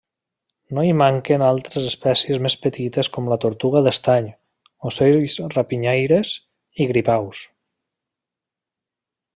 No hi manquen altres espècies més petites com la tortuga d'estany, ocells rapinyaires i gripaus.